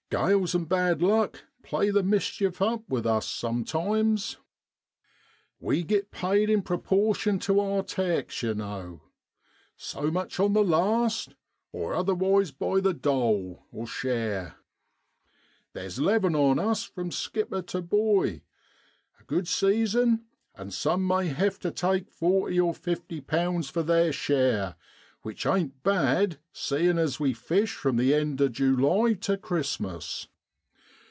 Grales an' bad luck play the mischief up with us sometimes. ' We git paid in proportion to our takes, yer know, So much on the last, or JIM TRETT'S FERRETS. otherwise by the ' dole ' (share). Theer's 'leven on us from skipper to boy. A good season ; and some may have tu take 40 or 50 for their share, which ain't bad, seein' as we fish from the end of July tu Christmas.